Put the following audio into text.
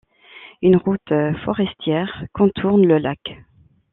Une route forestière contourne le lac.